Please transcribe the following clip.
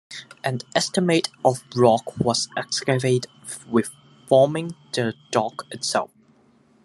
An estimated of rock was excavated with forming the dock itself.